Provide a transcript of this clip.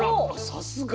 さすが。